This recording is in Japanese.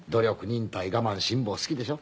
忍耐我慢辛抱好きでしょ。